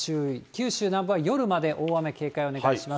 九州南部は夜まで大雨警戒お願いします。